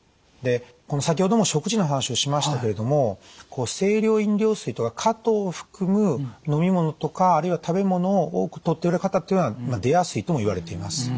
で先ほども食事の話をしましたけれども清涼飲料水とか果糖を含む飲み物とかあるいは食べ物を多くとっておられる方っていうのは出やすいともいわれています。